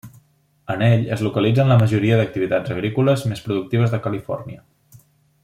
En ell es localitzen la majoria d'activitats agrícoles més productives de Califòrnia.